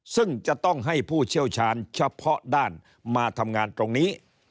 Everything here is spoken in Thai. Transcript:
ซึ่งจะต้องให้ผู้เชี่ยวชาญเฉพาะด้านมาทำงานตรงนี้